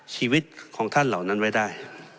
ชีวิตของท่านเหล่านั้นไว้ได้